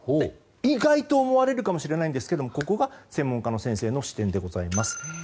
意外と思われるかもしれませんがここが専門家の先生の視点です。